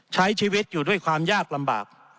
ใช้ชีวิตอยู่ด้วยความยากลำบาก